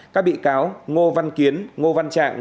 các bị cáo ngô văn kiến ngô văn trạng